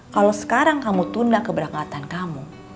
kalau sekarang kamu tunda keberangkatan kamu